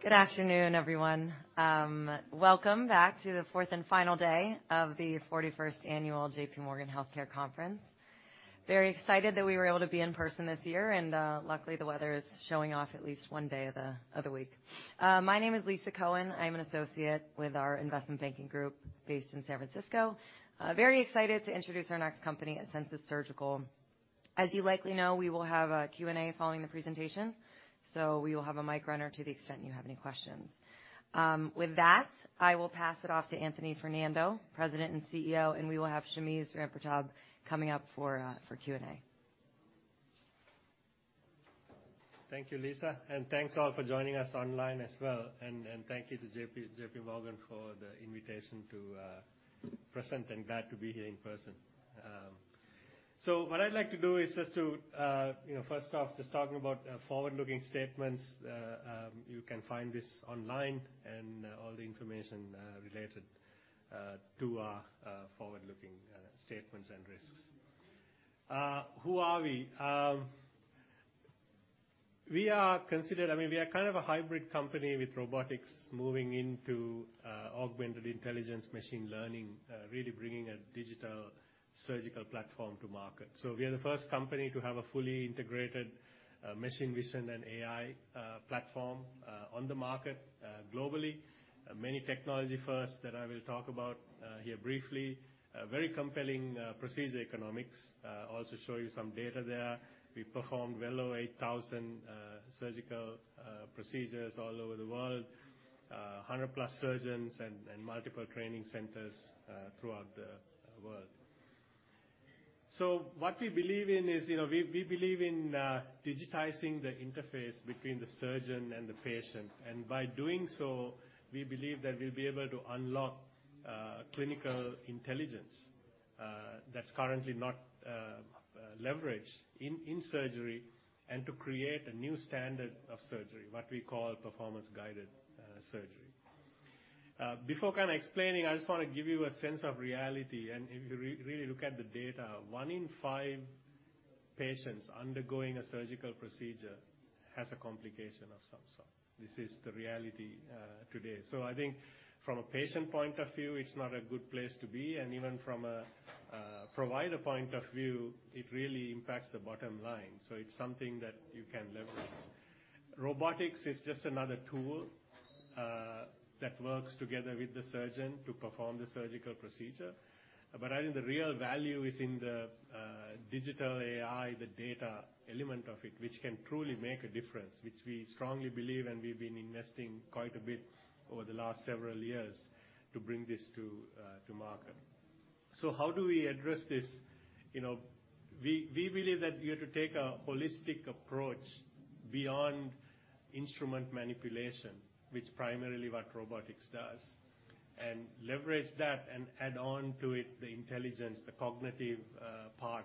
Good afternoon, everyone. welcome back to the fourth and final day of the 41st annual JPMorgan Healthcare Conference. Very excited that we were able to be in person this year, luckily the weather is showing off at least one day of the, of the week. My name is Lisa Cohen. I'm an associate with our investment banking group based in San Francisco. Very excited to introduce our next company Asensus Surgical. As you likely know, we will have a Q&A following the presentation, so we will have a mic runner to the extent you have any questions. With that, I will pass it off to Anthony Fernando, President and CEO, and we will have Shamez Rampertab coming up for Q&A. Thank you, Lisa, and thanks all for joining us online as well. Thank you to JP Morgan for the invitation to present, and glad to be here in person. What I'd like to do is just to, you know, first off, just talking about forward-looking statements. You can find this online and all the information related to our forward-looking statements and risks. Who are we? I mean, we are kind of a hybrid company with robotics moving into augmented intelligence, machine learning, really bringing a digital surgical platform to market. We are the first company to have a fully integrated machine vision and AI platform on the market globally. Many technology firsts that I will talk about here briefly. A very compelling procedure economics. Also show you some data there. We performed well over 8,000 surgical procedures all over the world. 100-plus surgeons and multiple training centers throughout the world. What we believe in is, you know, we believe in digitizing the interface between the surgeon and the patient, and by doing so, we believe that we'll be able to unlock clinical intelligence that's currently not leveraged in surgery and to create a new standard of surgery, what we call Performance-Guided Surgery. Before kinda explaining, I just wanna give you a sense of reality. If you really look at the data, one in five patients undergoing a surgical procedure has a complication of some sort. This is the reality today. I think from a patient point of view, it's not a good place to be, and even from a provider point of view, it really impacts the bottom line. It's something that you can leverage. Robotics is just another tool that works together with the surgeon to perform the surgical procedure. I think the real value is in the digital AI, the data element of it, which can truly make a difference, which we strongly believe, and we've been investing quite a bit over the last several years to bring this to market. How do we address this? You know, we believe that you have to take a holistic approach beyond instrument manipulation, which primarily what robotics does, and leverage that and add on to it the intelligence, the cognitive part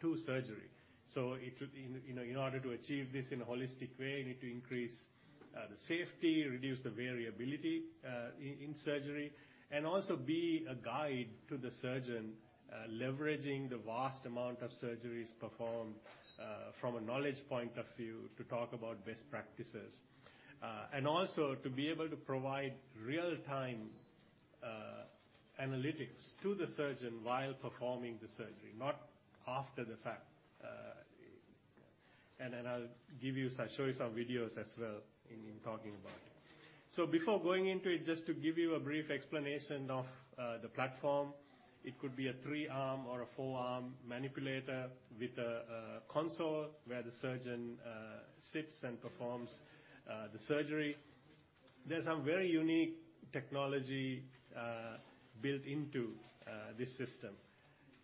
to surgery. In, you know, in order to achieve this in a holistic way, you need to increase the safety, reduce the variability in surgery, and also be a guide to the surgeon, leveraging the vast amount of surgeries performed from a knowledge point of view to talk about best practices. Also to be able to provide real-time analytics to the surgeon while performing the surgery, not after the fact. Then I'll show you some videos as well in talking about it. Before going into it, just to give you a brief explanation of the platform. It could be a 3-arm or a 4-arm manipulator with a console where the surgeon sits and performs the surgery. There's some very unique technology built into this system.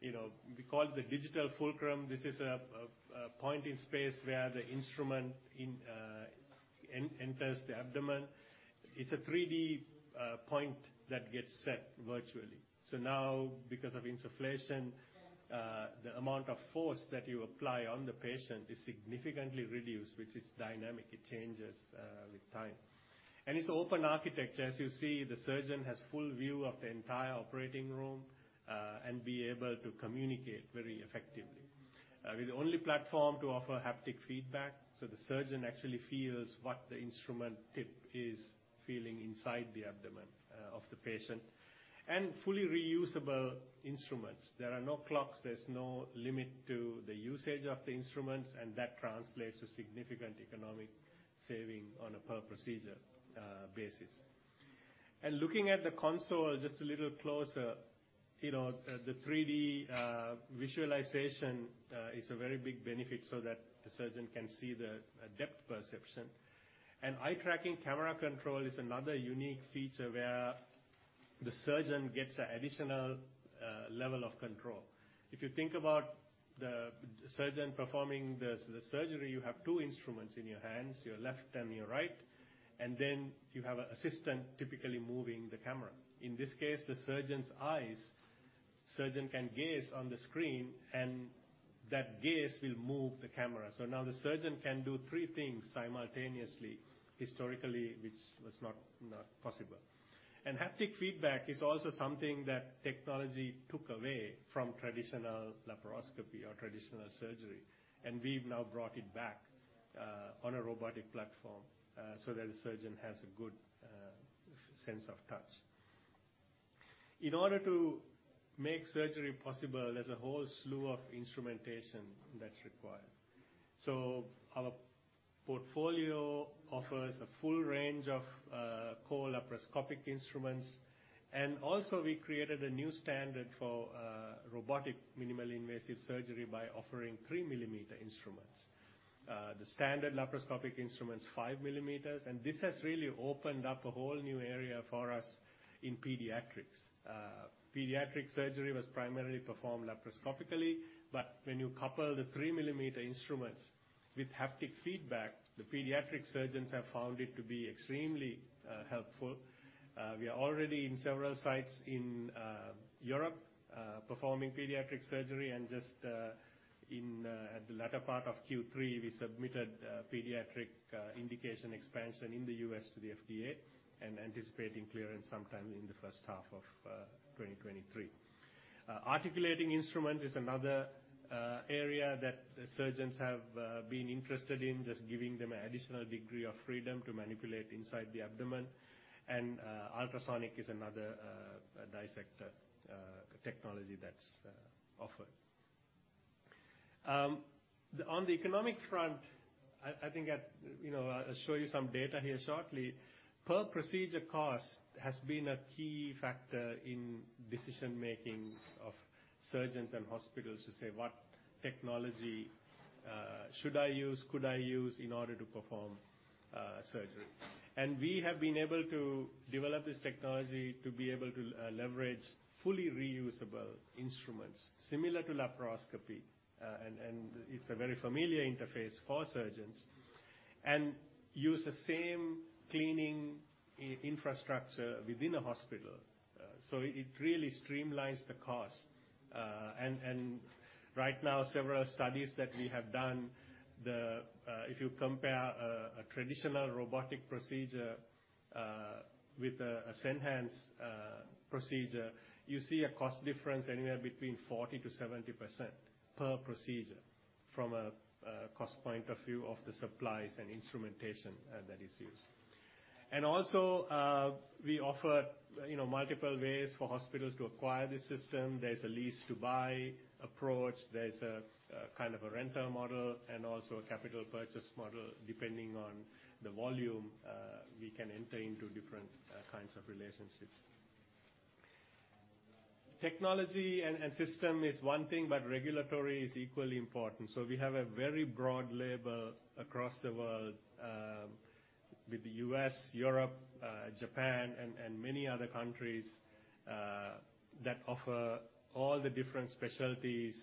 You know, we call it the digital fulcrum. This is a point in space where the instrument enters the abdomen. It's a 3D point that gets set virtually. Now, because of insufflation, the amount of force that you apply on the patient is significantly reduced, which it's dynamic. It changes with time. It's open architecture. As you see, the surgeon has full view of the entire operating room and be able to communicate very effectively. We're the only platform to offer haptic feedback, so the surgeon actually feels what the instrument tip is feeling inside the abdomen of the patient. Fully reusable instruments. There are no clogs. There's no limit to the usage of the instruments, and that translates to significant economic saving on a per procedure basis. Looking at the console just a little closer, you know, the 3D visualization is a very big benefit so that the surgeon can see the depth perception. Eye-tracking camera control is another unique feature where the surgeon gets an additional level of control. If you think about the surgeon performing the surgery, you have two instruments in your hands, your left and your right, and then you have an assistant typically moving the camera. In this case, the surgeon's eyes. Surgeon can gaze on the screen, and that gaze will move the camera. Now the surgeon can do three things simultaneously, historically, which was not possible. Haptic feedback is also something that technology took away from traditional laparoscopy or traditional surgery, and we've now brought it back on a robotic platform so that the surgeon has a good sense of touch. In order to make surgery possible, there's a whole slew of instrumentation that's required. Our portfolio offers a full range of core laparoscopic instruments. Also, we created a new standard for robotic minimally invasive surgery by offering 3-millimeter instruments. The standard laparoscopic instrument's 5 millimeters, and this has really opened up a whole new area for us in pediatrics. Pediatric surgery was primarily performed laparoscopically, but when you couple the 3-millimeter instruments with haptic feedback, the pediatric surgeons have found it to be extremely helpful. We are already in several sites in Europe performing pediatric surgery and just in the latter part of Q3, we submitted pediatric indication expansion in the U.S. to the FDA, and anticipating clearance sometime in the first half of 2023. Articulating instrument is another area that the surgeons have been interested in, just giving them additional degree of freedom to manipulate inside the abdomen. Ultrasonic is another dissector technology that's offered. On the economic front, I think at, you know, I'll show you some data here shortly. Per procedure cost has been a key factor in decision-making of surgeons and hospitals to say what technology should I use, could I use in order to perform surgery. We have been able to develop this technology to be able to leverage fully reusable instruments similar to laparoscopy. It's a very familiar interface for surgeons. Use the same cleaning infrastructure within a hospital. It really streamlines the cost. Right now, several studies that we have done, if you compare a traditional robotic procedure with a Senhance procedure, you see a cost difference anywhere between 40%-70% per procedure from a cost point of view of the supplies and instrumentation that is used. Also, we offer, you know, multiple ways for hospitals to acquire the system. There's a lease-to-buy approach, there's a kind of a rental model, and also a capital purchase model. Depending on the volume, we can enter into different kinds of relationships. Technology and system is one thing, but regulatory is equally important. We have a very broad label across the world with the U.S., Europe, Japan, and many other countries that offer all the different specialties,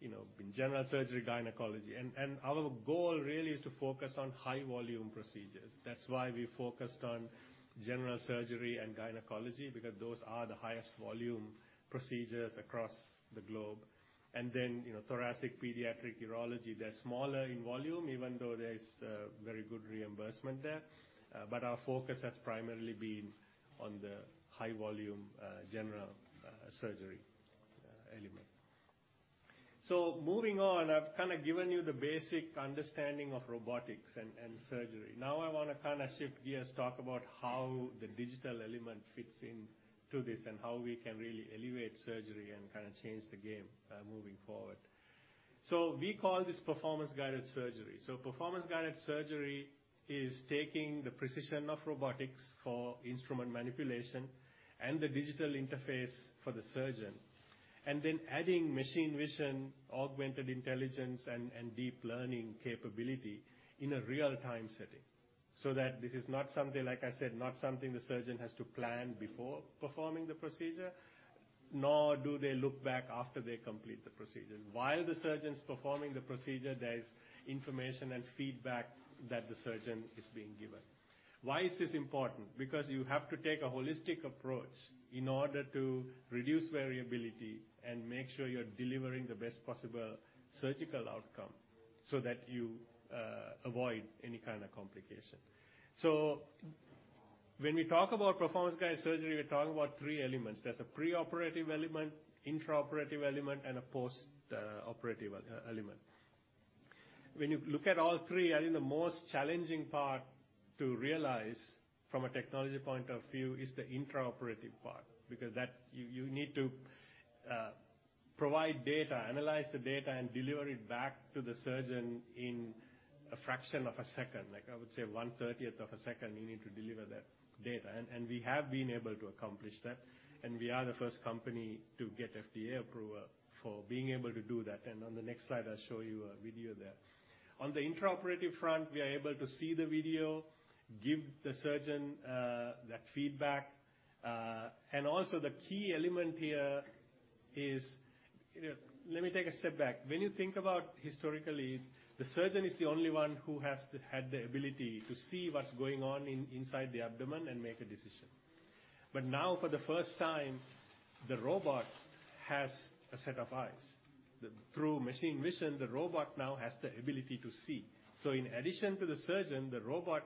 you know, in general surgery, gynecology. Our goal really is to focus on high volume procedures. That's why we focused on general surgery and gynecology because those are the highest volume procedures across the globe. You know, thoracic pediatric urology, they're smaller in volume, even though there is a very good reimbursement there. Our focus has primarily been on the high volume, general surgery element. Moving on, I've kinda given you the basic understanding of robotics and surgery. Now I wanna kinda shift gears, talk about how the digital element fits into this, and how we can really elevate surgery and kinda change the game moving forward. We call this Performance-Guided Surgery. Performance-Guided Surgery is taking the precision of robotics for instrument manipulation and the digital interface for the surgeon, and then adding machine vision, augmented intelligence, and deep learning capability in a real-time setting. That this is not something, like I said, not something the surgeon has to plan before performing the procedure, nor do they look back after they complete the procedure. While the surgeon's performing the procedure, there's information and feedback that the surgeon is being given. Why is this important? You have to take a holistic approach in order to reduce variability and make sure you're delivering the best possible surgical outcome so that you avoid any kind of complication. When we talk about Performance-Guided Surgery, we're talking about three elements. There's a preoperative element, intraoperative element, and a postoperative element. When you look at all three, I think the most challenging part to realize from a technology point of view is the intraoperative part, because you need to provide data, analyze the data, and deliver it back to the surgeon in a fraction of a second. Like, I would say 1/30 of a second, you need to deliver that data. We have been able to accomplish that. We are the first company to get FDA approval for being able to do that. On the next slide, I'll show you a video there. On the intraoperative front, we are able to see the video, give the surgeon that feedback. Also the key element here is, you know... Let me take a step back. When you think about historically, the surgeon is the only one who has to have the ability to see what's going on in, inside the abdomen and make a decision. Now for the first time, the robot has a set of eyes. Through machine vision, the robot now has the ability to see. In addition to the surgeon, the robot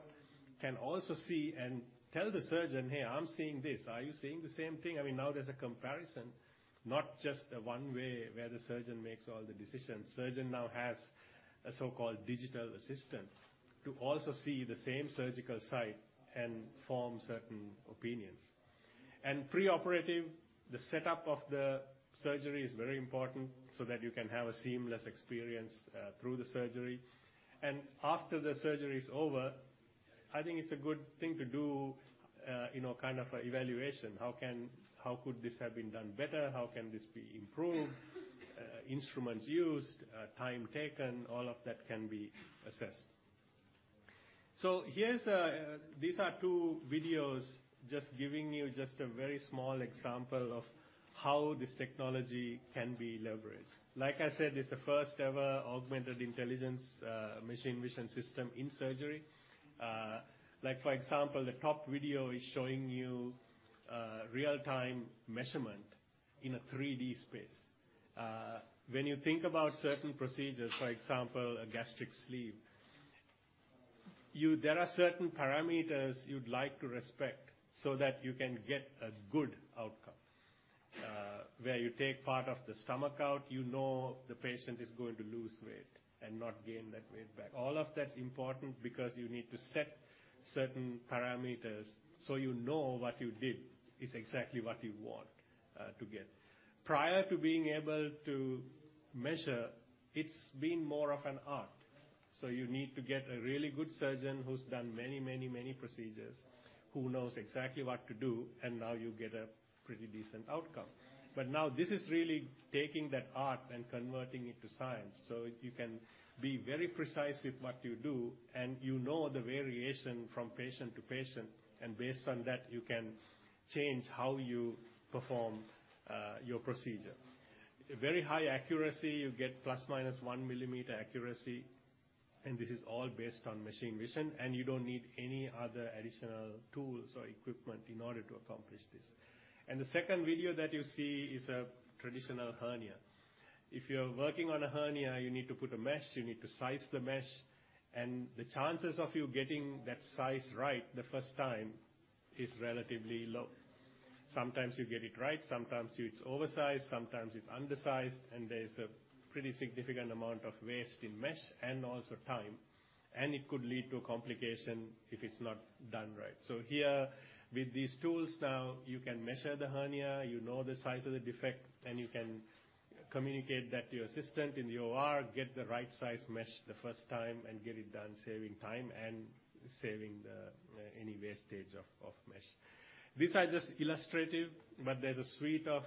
can also see and tell the surgeon, "Hey, I'm seeing this. Are you seeing the same thing?" I mean, now there's a comparison, not just the one way where the surgeon makes all the decisions. Surgeon now has a so-called digital assistant to also see the same surgical site and form certain opinions. Preoperative, the setup of the surgery is very important so that you can have a seamless experience through the surgery. After the surgery is over, I think it's a good thing to do, you know, kind of a evaluation. How could this have been done better? How can this be improved? Instruments used, time taken, all of that can be assessed. These are two videos just giving you just a very small example of how this technology can be leveraged. Like I said, it's the first-ever augmented intelligence, machine vision system in surgery. Like for example, the top video is showing you real-time measurement in a 3D space. When you think about certain procedures, for example, a gastric sleeve, there are certain parameters you'd like to respect so that you can get a good outcome. Where you take part of the stomach out, you know the patient is going to lose weight and not gain that weight back. All of that's important because you need to set certain parameters, so you know what you did is exactly what you want to get. Prior to being able to measure, it's been more of an art. You need to get a really good surgeon who's done many, many, many procedures, who knows exactly what to do, and now you get a pretty decent outcome. Now this is really taking that art and converting it to science. You can be very precise with what you do, and you know the variation from patient to patient, and based on that, you can change how you perform your procedure. A very high accuracy, you get ±1 millimeter accuracy, and this is all based on machine vision, and you don't need any other additional tools or equipment in order to accomplish this. The second video that you see is a traditional hernia. If you're working on a hernia, you need to put a mesh, you need to size the mesh, and the chances of you getting that size right the first time is relatively low. Sometimes you get it right, sometimes it's oversized, sometimes it's undersized, and there's a pretty significant amount of waste in mesh and also time, and it could lead to a complication if it's not done right. Here, with these tools now, you can measure the hernia, you know the size of the defect, and you can communicate that to your assistant in the OR, get the right size mesh the first time, and get it done, saving time and saving the, any wastage of mesh. These are just illustrative, but there's a suite of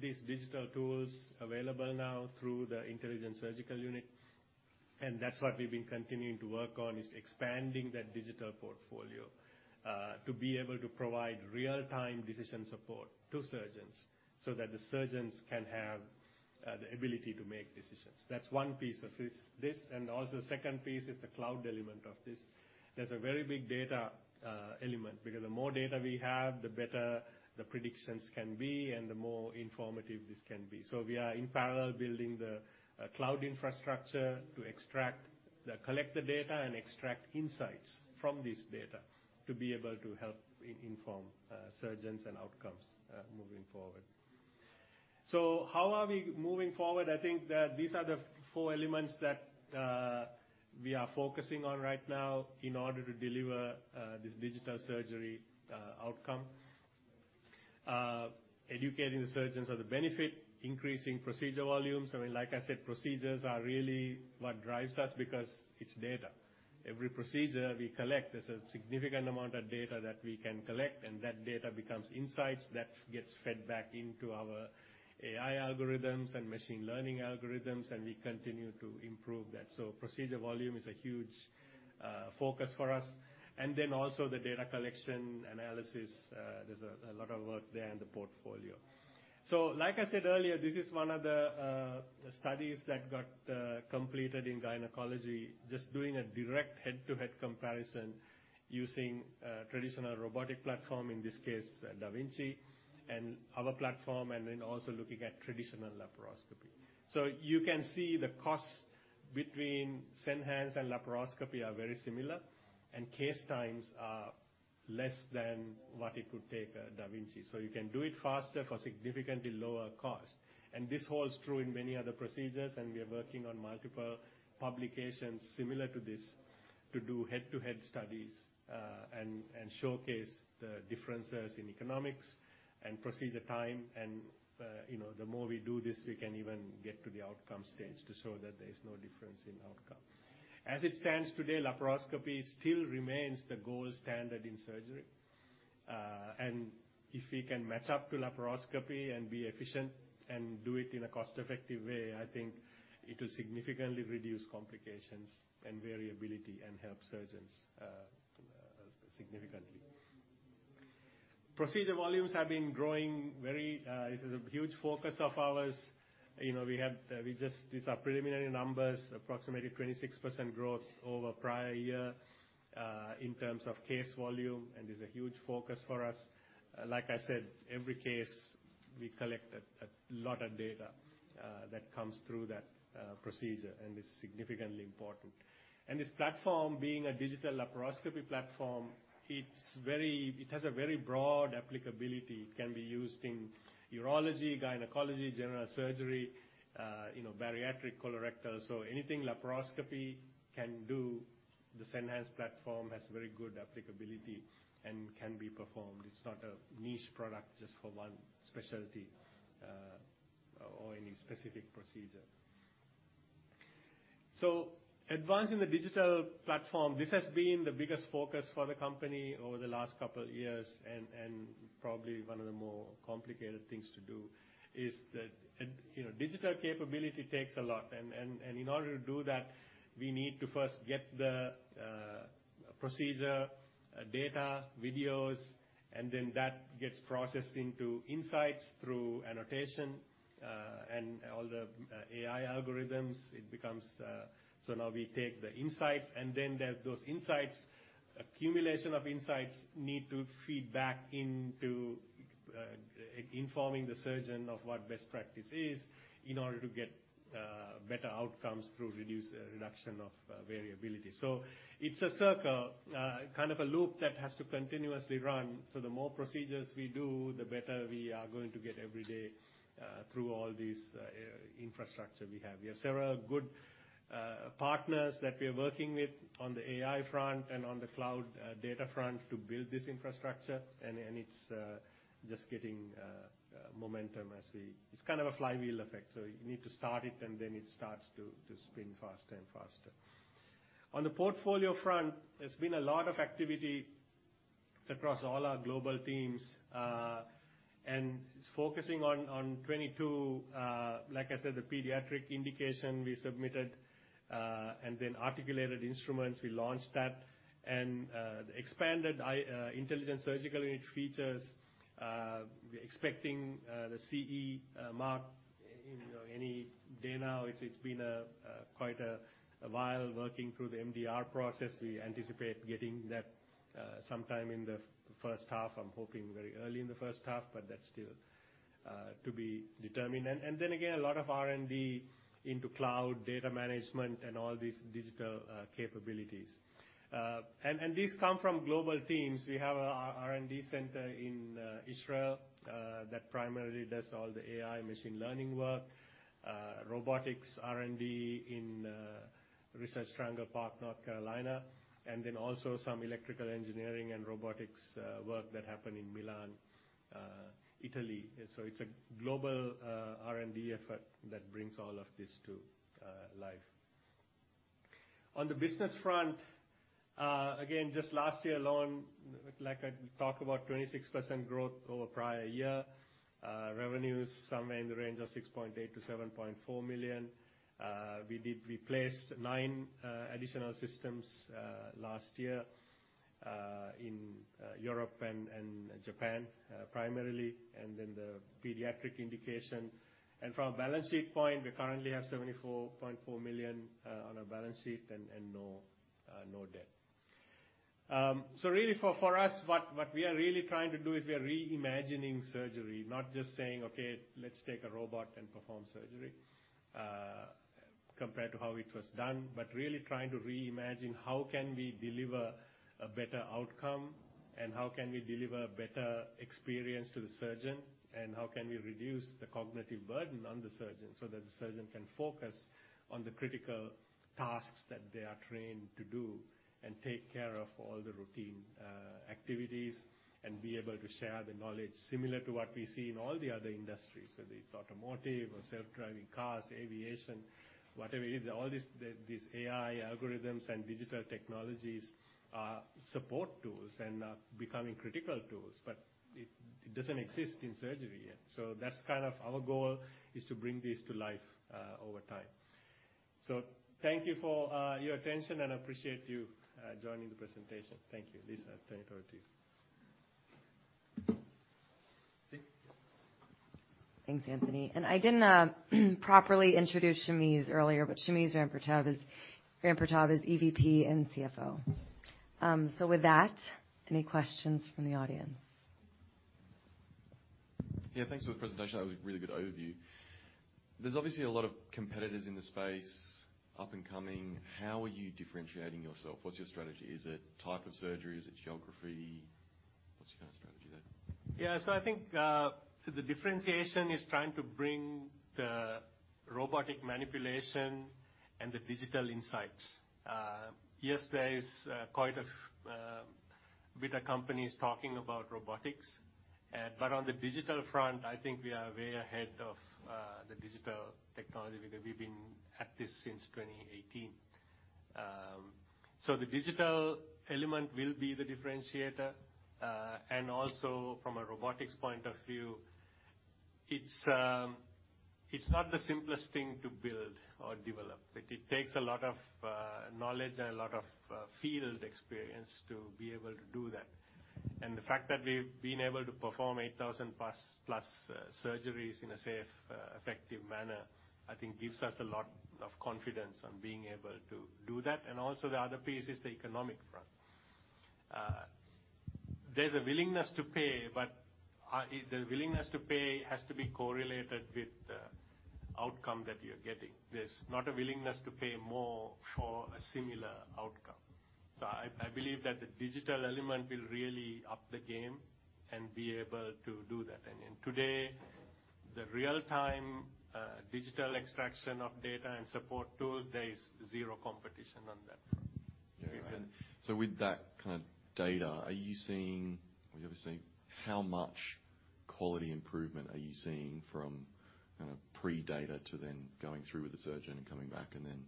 these digital tools available now through the Intelligent Surgical Unit, and that's what we've been continuing to work on, is expanding that digital portfolio to be able to provide real-time decision support to surgeons so that the surgeons can have the ability to make decisions. That's one piece of this, and also second piece is the cloud element of this. There's a very big data element, because the more data we have, the better the predictions can be and the more informative this can be. We are in parallel building the cloud infrastructure to extract the collected data and extract insights from this data to be able to help inform surgeons and outcomes moving forward. How are we moving forward? I think that these are the four elements that we are focusing on right now in order to deliver this digital surgery outcome. Educating the surgeons of the benefit, increasing procedure volumes. I mean, like I said, procedures are really what drives us because it's data. Every procedure we collect, there's a significant amount of data that we can collect, and that data becomes insights that gets fed back into our AI algorithms and machine learning algorithms, and we continue to improve that. Procedure volume is a huge focus for us. Also the data collection analysis, there's a lot of work there in the portfolio. Like I said earlier, this is one of the studies that got completed in gynecology, just doing a direct head-to-head comparison using a traditional robotic platform, in this case, da Vinci, and our platform, and then also looking at traditional laparoscopy. You can see the costs between Senhance and laparoscopy are very similar, and case times are less than what it could take da Vinci. You can do it faster for significantly lower cost. This holds true in many other procedures, and we are working on multiple publications similar to this to do head-to-head studies, and showcase the differences in economics and procedure time. You know, the more we do this, we can even get to the outcome stage to show that there is no difference in outcome. As it stands today, laparoscopy still remains the gold standard in surgery. If we can match up to laparoscopy and be efficient and do it in a cost-effective way, I think it will significantly reduce complications and variability and help surgeons significantly. Procedure volumes have been growing very, this is a huge focus of ours. You know, we have, These are preliminary numbers, approximately 26% growth over prior year. In terms of case volume, is a huge focus for us. Like I said, every case we collect a lot of data that comes through that procedure, and it's significantly important. This platform being a digital laparoscopy platform, it's very... It has a very broad applicability. It can be used in urology, gynecology, general surgery, you know, bariatric, colorectal. Anything laparoscopy can do, the Senhance platform has very good applicability and can be performed. It's not a niche product just for one specialty, or any specific procedure. Advancing the digital platform, this has been the biggest focus for the company over the last couple years and probably one of the more complicated things to do, is that, you know, digital capability takes a lot. And in order to do that, we need to first get the procedure data, videos, and then that gets processed into insights through annotation, and all the AI algorithms. It becomes. Now we take the insights, and then there's those insights. Accumulation of insights need to feed back into, informing the surgeon of what best practice is in order to get better outcomes through reduction of variability. It's a circle, kind of a loop that has to continuously run. The more procedures we do, the better we are going to get every day, through all this infrastructure we have. We have several good partners that we are working with on the AI front and on the cloud, data front to build this infrastructure and it's just getting momentum as we... It's kind of a flywheel effect, you need to start it, and then it starts to spin faster and faster. On the portfolio front, there's been a lot of activity across all our global teams, and it's focusing on 2022, like I said, the pediatric indication we submitted, articulated instruments, we launched that. expanded intelligent surgical image features, we're expecting the CE mark, you know, any day now. It's been a quite a while working through the MDR process. We anticipate getting that sometime in the first half. I'm hoping very early in the first half, but that's still to be determined. Again, a lot of R&D into cloud data management and all these digital capabilities. These come from global teams. We have our R&D center in Israel that primarily does all the AI machine learning work. Robotics R&D in Research Triangle Park, North Carolina, and then also some electrical engineering and robotics work that happen in Milan, Italy. It's a global R&D effort that brings all of this to life. On the business front, again, just last year alone, like I talk about, 26% growth over prior year. Revenues somewhere in the range of $6.8-$7.4 million. We did replace nine additional systems last year in Europe and Japan primarily, and then the pediatric indication. From a balance sheet point, we currently have $74.4 million on our balance sheet and no debt. Really for us, what we are really trying to do is we are reimagining surgery. Not just saying, "Okay, let's take a robot and perform surgery," compared to how it was done, but really trying to reimagine how can we deliver a better outcome and how can we deliver better experience to the surgeon, and how can we reduce the cognitive burden on the surgeon, so that the surgeon can focus on the critical tasks that they are trained to do and take care of all the routine activities and be able to share the knowledge similar to what we see in all the other industries. Whether it's automotive or self-driving cars, aviation, whatever it is. All these AI algorithms and digital technologies are support tools and are becoming critical tools, but it doesn't exist in surgery yet. That's kind of our goal, is to bring these to life over time. Thank you for your attention, and I appreciate you joining the presentation. Thank you. Lisa, turning it over to you. Thanks, Anthony. I didn't properly introduce Shamez earlier, but Shamez Rampertab is EVP and CFO. With that, any questions from the audience? Yeah. Thanks for the presentation. That was a really good overview. There's obviously a lot of competitors in this space up and coming. How are you differentiating yourself? What's your strategy? Is it type of surgery? Is it geography? What's your kind of strategy there? Yeah. I think, the differentiation is trying to bring the robotic manipulation and the digital insights. Yes, there is quite a bit of companies talking about robotics. On the digital front, I think we are way ahead of the digital technology because we've been at this since 2018. The digital element will be the differentiator. Also from a robotics point of view, it's not the simplest thing to build or develop. It takes a lot of knowledge and a lot of field experience to be able to do that. The fact that we've been able to perform 8,000+ surgeries in a safe, effective manner, I think gives us a lot of confidence on being able to do that. Also the other piece is the economic front. There's a willingness to pay, but the willingness to pay has to be correlated with the outcome that you're getting. There's not a willingness to pay more for a similar outcome. I believe that the digital element will really up the game and be able to do that. Today, the real-time digital extraction of data and support tools, there is zero competition on that front. Very good. With that kind of data, how much quality improvement are you seeing from kind of pre-data to then going through with the surgeon and coming back and then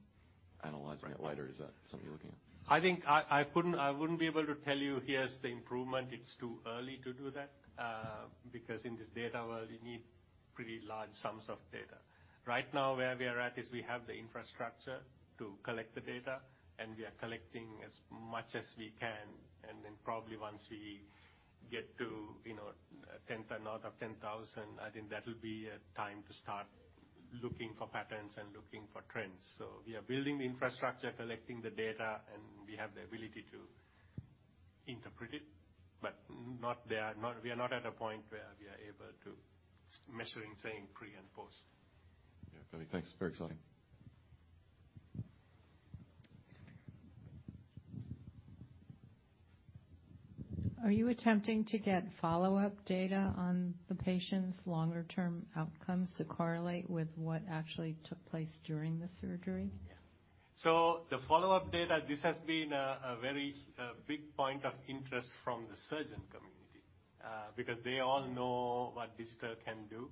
analyzing it later? Is that something you're looking at? I think I wouldn't be able to tell you here's the improvement. It's too early to do that, because in this data world, you need pretty large sums of data. Right now, where we are at, is we have the infrastructure to collect the data, and we are collecting as much as we can, and then probably once we get to, you know, 10th or north of 10,000, I think that'll be a time to start looking for patterns and looking for trends. We are building the infrastructure, collecting the data, and we have the ability to interpret it, but we are not at a point where we are able to measuring, saying pre and post. Yeah. Got it. Thanks. Very exciting. Are you attempting to get follow-up data on the patients' longer term outcomes to correlate with what actually took place during the surgery? Yeah. The follow-up data, this has been a very big point of interest from the surgeon community because they all know what digital can do.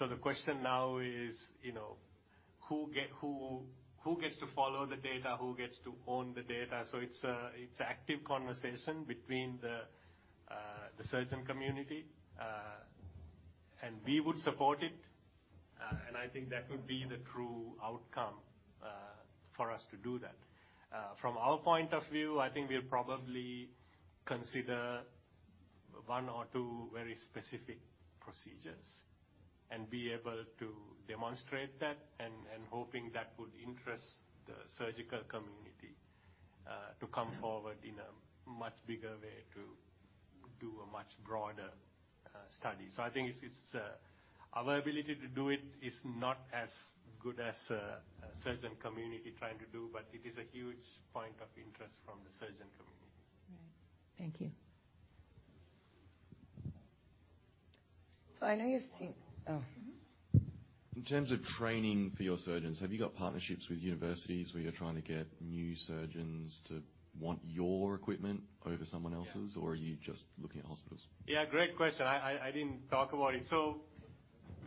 The question now is, you know, who gets to follow the data, who gets to own the data. It's active conversation between the surgeon community. And we would support it, and I think that would be the true outcome for us to do that. From our point of view, I think we'll probably consider one or two very specific procedures and be able to demonstrate that and hoping that would interest the surgical community to come forward in a much bigger way to do a much broader study. I think it's... Our ability to do it is not as good as a surgeon community trying to do, but it is a huge point of interest from the surgeon community. Right. Thank you. I know you've seen. Oh. In terms of training for your surgeons, have you got partnerships with universities where you're trying to get new surgeons to want your equipment over someone else's? Yeah. Are you just looking at hospitals? Yeah, great question. I didn't talk about it.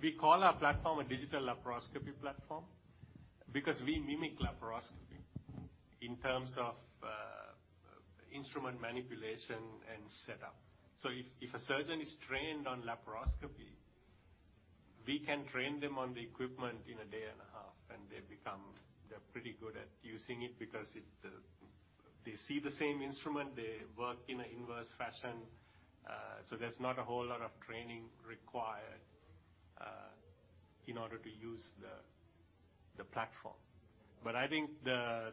We call our platform a digital laparoscopy platform because we mimic laparoscopy in terms of instrument manipulation and setup. If a surgeon is trained on laparoscopy, we can train them on the equipment in a day and a half, and they become... They're pretty good at using it because it... They see the same instrument. They work in an inverse fashion. There's not a whole lot of training required in order to use the platform. I think the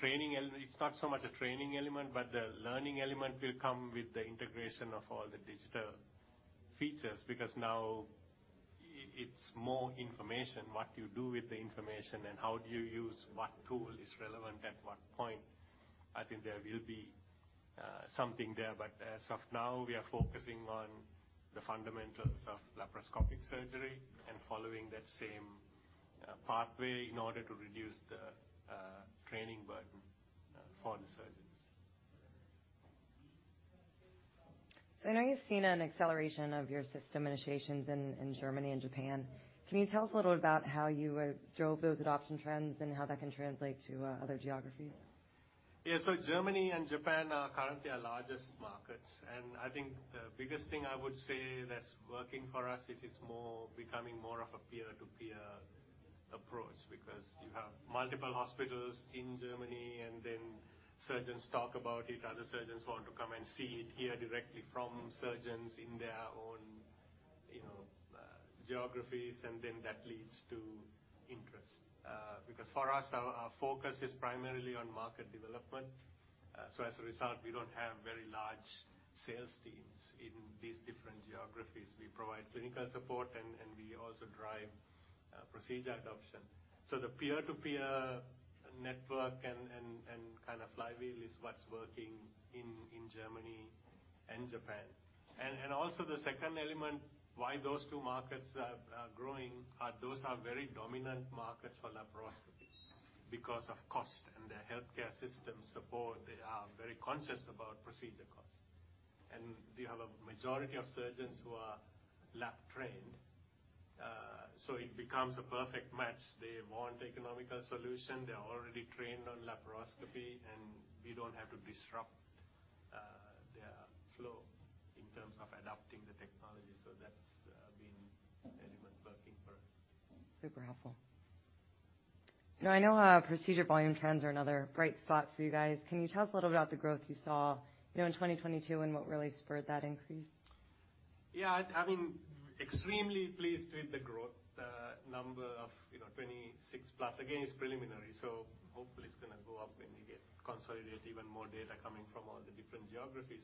training element... It's not so much a training element, but the learning element will come with the integration of all the digital features because now it's more information, what you do with the information and how do you use what tool is relevant at what point, I think there will be something there. As of now we are focusing on the fundamentals of laparoscopic surgery and following that same pathway in order to reduce the training burden for the surgeons. I know you've seen an acceleration of your system initiations in Germany and Japan. Can you tell us a little about how you drove those adoption trends and how that can translate to other geographies? Yeah. Germany and Japan are currently our largest markets. I think the biggest thing I would say that's working for us is it's becoming more of a peer-to-peer approach because you have multiple hospitals in Germany, and then surgeons talk about it. Other surgeons want to come and see it, hear directly from surgeons in their own, you know, geographies, and then that leads to interest. Because for us, our focus is primarily on market development. As a result, we don't have very large sales teams in these different geographies. We provide clinical support, and we also drive procedure adoption. The peer-to-peer network and kind of flywheel is what's working in Germany and Japan. Also the second element why those two markets are growing are those are very dominant markets for laparoscopy because of cost and their healthcare system support. They are very conscious about procedure costs. We have a majority of surgeons who are lap trained. It becomes a perfect match. They want economical solution. They are already trained on laparoscopy, and we don't have to disrupt their flow in terms of adopting the technology. That's. Super helpful. Now I know how procedure volume trends are another bright spot for you guys. Can you tell us a little about the growth you saw, you know, in 2022 and what really spurred that increase? Yeah. I mean, extremely pleased with the growth. The number of, you know, 26 plus. Again, it's preliminary, so hopefully it's gonna go up when we get consolidate even more data coming from all the different geographies.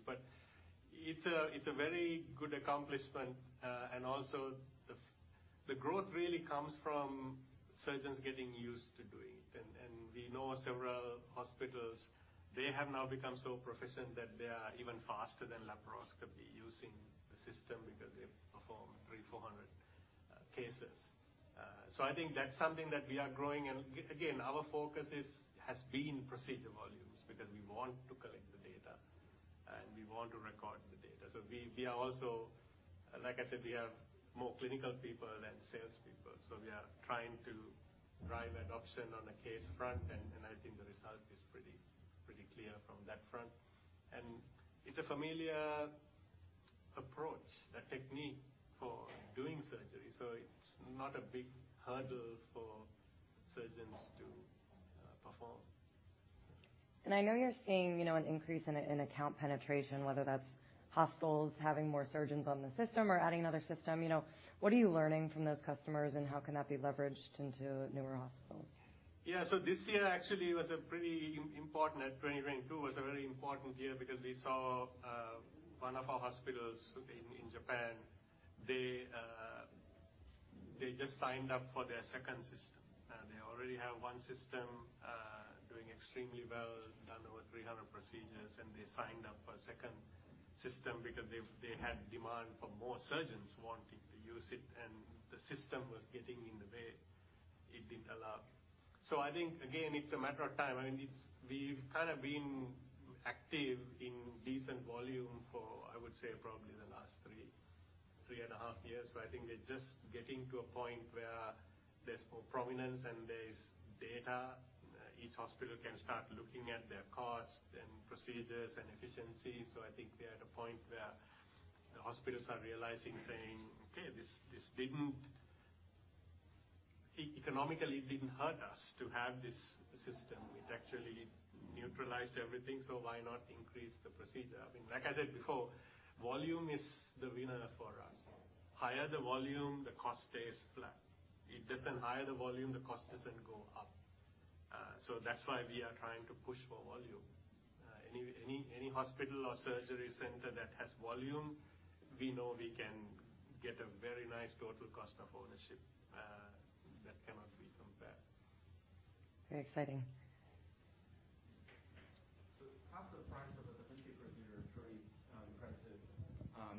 It's a very good accomplishment. Also the growth really comes from surgeons getting used to doing it. We know several hospitals, they have now become so proficient that they are even faster than laparoscopy using the system because they've performed 3, 400 cases. I think that's something that we are growing. Again, our focus is, has been procedure volumes. We want to collect the data, and we want to record the data. We are also... Like I said, we have more clinical people than sales people, so we are trying to drive adoption on a case front, and I think the result is pretty clear from that front. It's a familiar approach, a technique for doing surgery, so it's not a big hurdle for surgeons to perform. I know you're seeing, you know, an increase in account penetration, whether that's hospitals having more surgeons on the system or adding another system. You know, what are you learning from those customers, and how can that be leveraged into newer hospitals? Yeah. This year actually was a pretty important. 2022 was a very important year because we saw one of our hospitals in Japan, they just signed up for their second system. They already have one system doing extremely well. Done over 300 procedures, and they signed up for a second system because they had demand for more surgeons wanting to use it, and the system was getting in the way. It didn't allow. I think again, it's a matter of time. I mean, it's We've kind of been active in decent volume for, I would say, probably the last three and a half years. I think we're just getting to a point where there's more provenance and there's data. Each hospital can start looking at their cost and procedures and efficiencies. I think we're at a point where the hospitals are realizing, saying, "Okay, this didn't economically, it didn't hurt us to have this system. It actually neutralized everything, so why not increase the procedure?" I mean, like I said before, volume is the winner for us. Higher the volume, the cost stays flat. Higher the volume, the cost doesn't go up. That's why we are trying to push for volume. Any hospital or surgery center that has volume, we know we can get a very nice total cost of ownership that cannot be compared. Very exciting.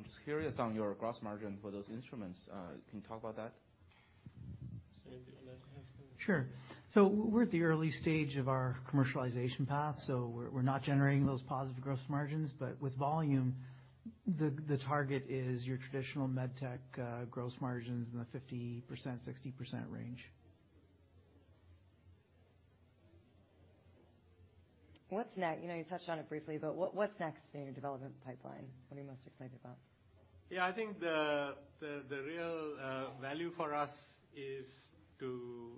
half the price of a da Vinci procedure is pretty impressive. I'm just curious on your gross margin for those instruments. Can you talk about that? Sandy, would you like to answer that? Sure. We're at the early stage of our commercialization path, so we're not generating those positive gross margins. With volume, the target is your traditional med tech gross margins in the 50%-60% range. What's next? You know, you touched on it briefly, but what's next in your development pipeline? What are you most excited about? Yeah. I think the real value for us is to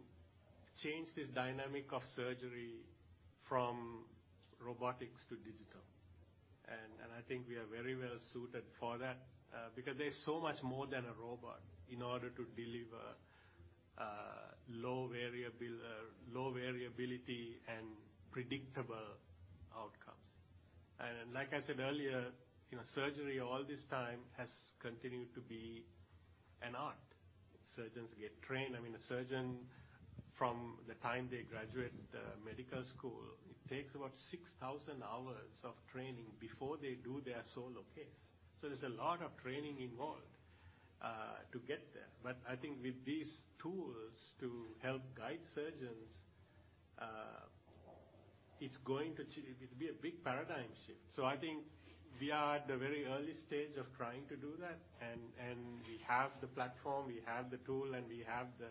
change this dynamic of surgery from robotics to digital. I think we are very well suited for that because there's so much more than a robot in order to deliver low variable, low variability and predictable outcomes. Like I said earlier, you know, surgery all this time has continued to be an art. Surgeons get trained. I mean, a surgeon from the time they graduate medical school, it takes about 6,000 hours of training before they do their solo case. There's a lot of training involved to get there. I think with these tools to help guide surgeons, It'll be a big paradigm shift. I think we are at the very early stage of trying to do that, and we have the platform, we have the tool, and we have the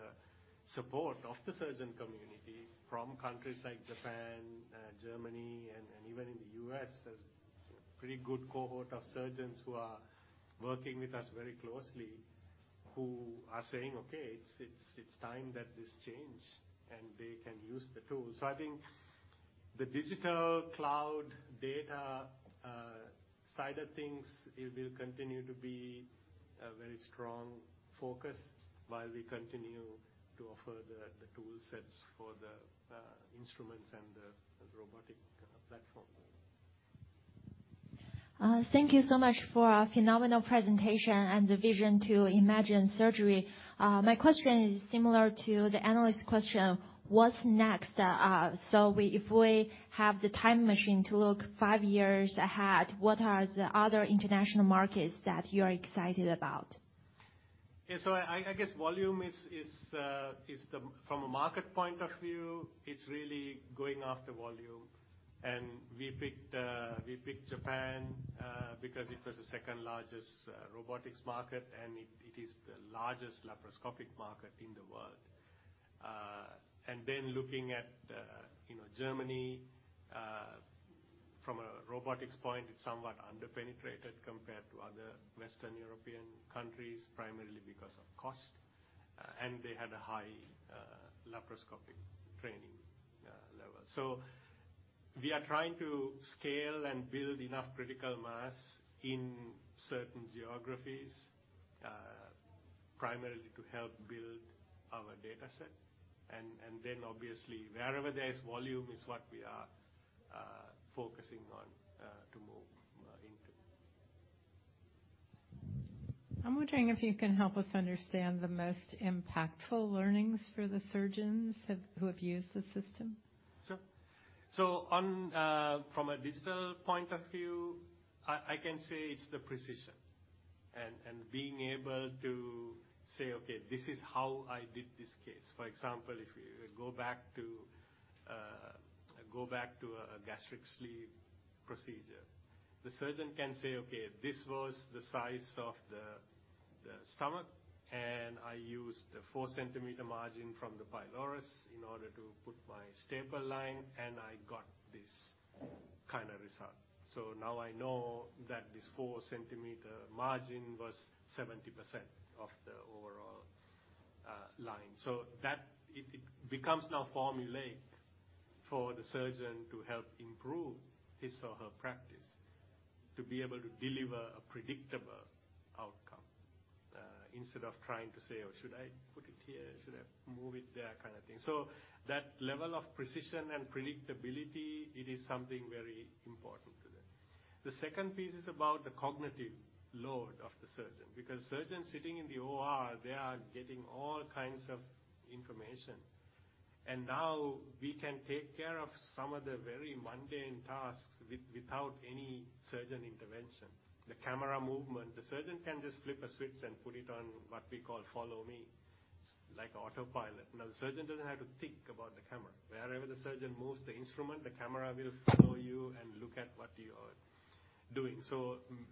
support of the surgeon community from countries like Japan, Germany, and even in the U.S. There's a pretty good cohort of surgeons who are working with us very closely, who are saying, "Okay, it's time that this change, and they can use the tool." I think the digital cloud data side of things, it will continue to be a very strong focus while we continue to offer the tool sets for the instruments and the robotic platform. Thank you so much for a phenomenal presentation and the vision to imagine surgery. My question is similar to the analyst question. What's next? If we have the time machine to look five years ahead, what are the other international markets that you're excited about? I guess volume is, from a market point of view, it's really going after volume. We picked, we picked Japan because it was the second largest robotics market, and it is the largest laparoscopic market in the world. Looking at Germany, from a robotics point, it's somewhat under-penetrated compared to other Western European countries, primarily because of cost. They had a high laparoscopic training level. We are trying to scale and build enough critical mass in certain geographies, primarily to help build our data set. Obviously, wherever there is volume is what we are focusing on to move into. I'm wondering if you can help us understand the most impactful learnings for the surgeons who have used the system. Sure. On from a digital point of view, I can say it's the precision and being able to say, "Okay, this is how I did this case." For example, if you go back to a gastric sleeve procedure. The surgeon can say, "Okay, this was the size of the stomach, and I used a 4 centimeter margin from the pylorus in order to put my staple line, and I got this kind of result. Now I know that this 4 centimeter margin was 70% of the overall line." That, it becomes now formulae for the surgeon to help improve his or her practice to be able to deliver a predictable outcome instead of trying to say, "Oh, should I put it here? Should I move it there?" Kind of thing. That level of precision and predictability, it is something very important to them. The second piece is about the cognitive load of the surgeon, because surgeons sitting in the OR, they are getting all kinds of information, and now we can take care of some of the very mundane tasks without any surgeon intervention. The camera movement. The surgeon can just flip a switch and put it on what we call Follow Me, like autopilot. Now, the surgeon doesn't have to think about the camera. Wherever the surgeon moves the instrument, the camera will follow you and look at what you are doing.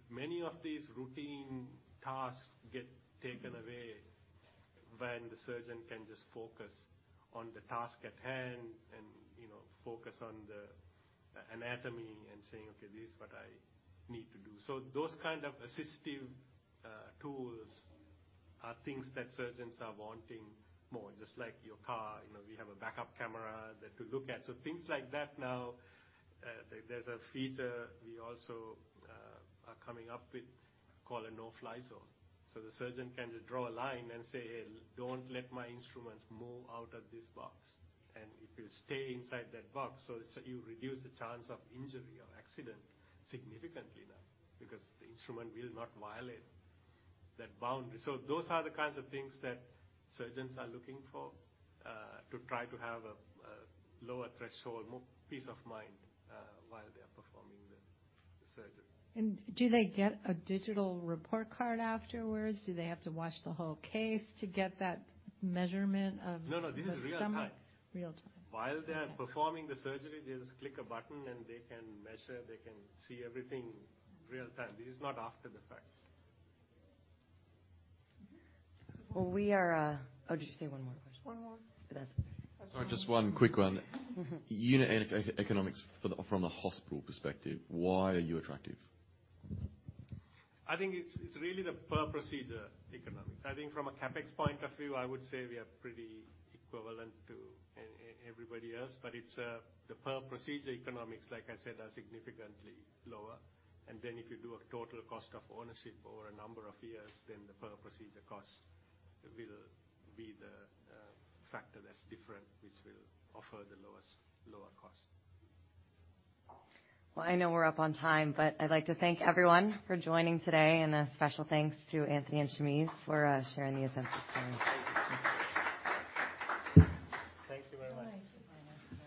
Many of these routine tasks get taken away when the surgeon can just focus on the task at hand and, you know, focus on the anatomy and saying, "Okay, this is what I need to do." Those kind of assistive tools are things that surgeons are wanting more. Just like your car, you know, we have a backup camera that we look at. Things like that now, there's a feature we also are coming up with called a no-fly zone. The surgeon can just draw a line and say, "Hey, don't let my instruments move out of this box." It will stay inside that box. You reduce the chance of injury or accident significantly now because the instrument will not violate that boundary. Those are the kinds of things that surgeons are looking for, to try to have a lower threshold, more peace of mind, while they are performing the surgery. Do they get a digital report card afterwards? Do they have to watch the whole case to get that measurement? No, no. the stomach? This is real time. Real time. Okay. While they are performing the surgery, they just click a button and they can measure, they can see everything real time. This is not after the fact. Well, we are... Oh, did you say one more question? One more. That's it. Sorry, just one quick one. Mm-hmm. Unit eco-economics from the hospital perspective, why are you attractive? I think it's really the per procedure economics. I think from a CapEx point of view, I would say we are pretty equivalent to everybody else, but it's, the per procedure economics, like I said, are significantly lower. Then if you do a total cost of ownership over a number of years, then the per procedure cost will be the factor that's different, which will offer the lowest... lower cost. Well, I know we're up on time, but I'd like to thank everyone for joining today, and a special thanks to Anthony and Shamiz for sharing the event with us. Thank you. Thank you very much. Thank you very much.